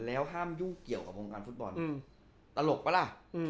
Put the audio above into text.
แล้วห้ามยุ่งเกี่ยวกับวงการฟุตบอลตลกปะล่ะ